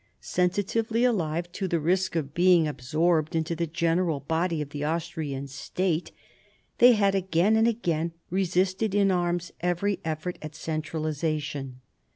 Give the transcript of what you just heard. Sensitively alive to the risk of being absorbed into the general body of the Austrian State, they had again and again resisted in arms every effort at centralisation.